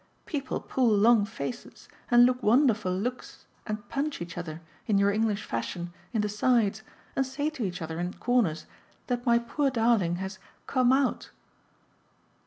People pull long faces and look wonderful looks and punch each other, in your English fashion, in the sides, and say to each other in corners that my poor darling has 'come out.